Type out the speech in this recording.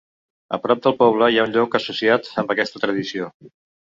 A prop del poble hi ha un lloc associat amb aquesta tradició.